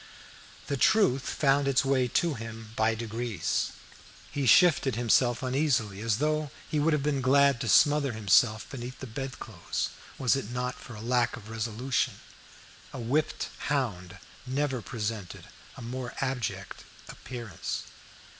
The truth found its way to him by degrees. He shifted himself uneasily, as though he would have been glad to smother himself beneath the bedclothes, was it not for lack of resolution. A whipped hound never presented a more abject appearance.